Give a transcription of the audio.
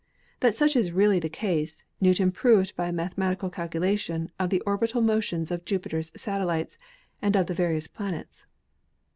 That such is really the case, Newton proved by a mathematical calculation of the orbital motions of Jupiter's satellites and of the various planets.